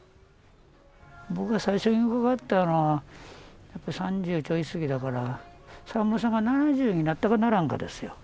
僕が最初に伺ったのは３０ちょい過ぎだから沢村さんが７０になったかならんかですよ。